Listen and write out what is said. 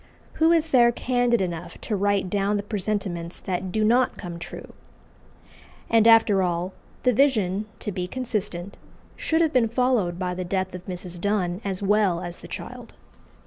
Who is there candid enough to write down the presentiments that do not come true? And after all, the vision, to be consistent, should have been followed by the death of Mrs. Donne as well as the child.